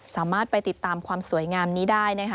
สามารถไปติดตามความสวยงามนี้ได้นะคะ